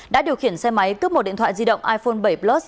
đã điều khiển xe máy cướp một điện thoại di động iphone bảy plus